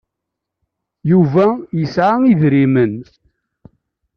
Yuba yesɛa idrimen.